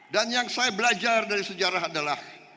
dan yang saya belajar dari sejarah adalah